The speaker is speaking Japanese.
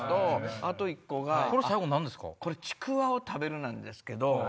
あと１個が「ちくわを食べる」なんですけど。